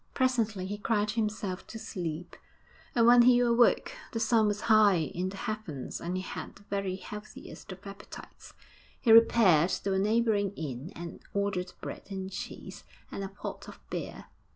Presently he cried himself to sleep, and when he awoke the sun was high in the heavens and he had the very healthiest of appetites. He repaired to a neighbouring inn and ordered bread and cheese and a pot of beer.